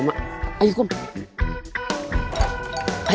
simpan di dalam vegsya pak keeper